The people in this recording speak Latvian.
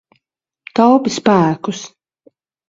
Taupi spēkus.